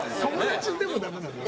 友達でもダメなのよ。